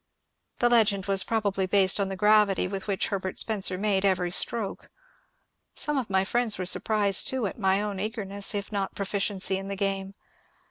The legend was probably based on the gravity with which Herbert Spencer made every stroke. Some of my friends were surprised too at my own eagerness if not pro ficiency in the game.